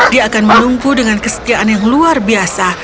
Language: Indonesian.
dia akan melumpuh dengan kesetiaan yang luar biasa